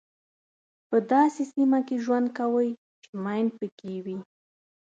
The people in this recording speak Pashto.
په داسې سیمه کې ژوند کوئ چې ماین پکې وي.